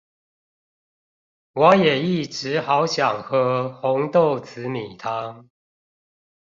我也一直好想喝紅豆紫米湯